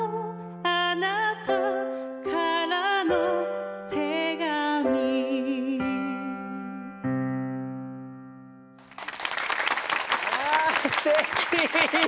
あなたからの手紙わあすてき！